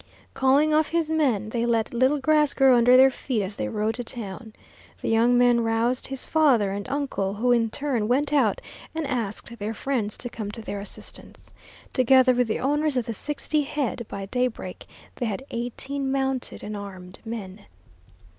Calling off his men, they let little grass grow under their feet as they rode to town. The young man roused his father and uncle, who in turn went out and asked their friends to come to their assistance. Together with the owners of the sixty head, by daybreak they had eighteen mounted and armed men.